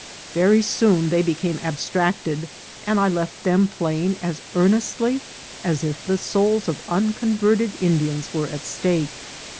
Very soon they became abstracted, and I left them playing as earnestly as if the souls of uncon verted Indians were at stake.